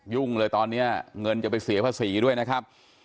ยุ่งเลยตอนนี้เงินจะไปเสียภาษีด้วยนะครับ